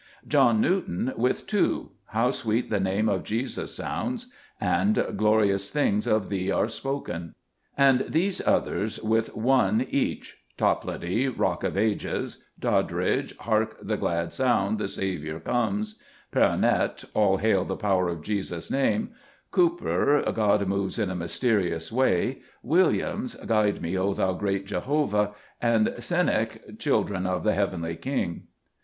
John Newton, with two, — "How sweet the Name of Jesus sounds," and "Glorious things of thee are spoken." And these others with one each: Toplady, "Rock of Ages" ; Doddridge, " Hark the glad sound ! the Saviour comes "; Perronet, "All hail the power of Jesus' Name" ; Cowper, "God moves in a myste rious way"; Williams, "Guide me, O Thou Great Jehovah "; and Cennick, " Children of the heavenly King."